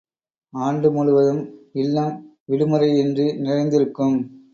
ஆண்டு முழுவதும், இல்லம், விடு முறையின்றி நிறைந்திருக்கும்.